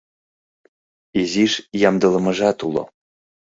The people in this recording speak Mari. Изиш ямдылымыжат уло...